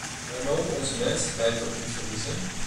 Wij mogen onze menselijkheid toch niet verliezen.